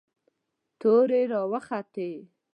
تورې را وختې.